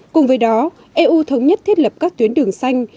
cùng với đó eu thống nhất thiết lập các tuyến đường xanh